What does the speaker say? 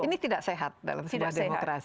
ini tidak sehat dalam sebuah demokrasi